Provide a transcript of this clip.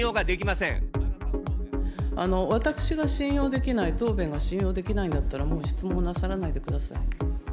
私が信用できない、答弁が信用できないんだったら、もう質問なさらないでください。